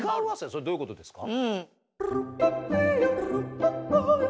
それはどういうことですか？